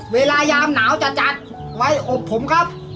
ยามหนาวจะจัดไว้อบผมครับ